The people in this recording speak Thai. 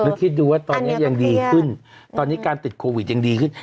แล้วคิดดูว่าตอนนี้ยังดีขึ้นตอนนี้การติดโควิดยังดีขึ้น